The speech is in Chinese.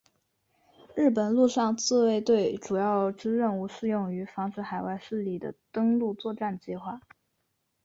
日本陆上自卫队主要之任务是用于防止海外势力的登陆作战计划。